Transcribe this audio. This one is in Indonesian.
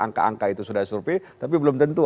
angka angka itu sudah survei tapi belum tentu